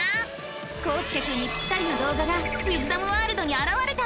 こうすけくんにぴったりの動画がウィズダムワールドにあらわれた！